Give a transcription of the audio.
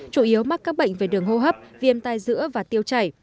chủ yếu mắc các bệnh về đường hô hấp viêm tai dữa và tiêu chảy